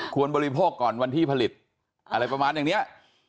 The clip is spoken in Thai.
บริโภคก่อนวันที่ผลิตอะไรประมาณอย่างนี้